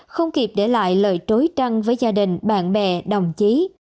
không kịp để lại lời trối trăng với gia đình bạn bè đồng chí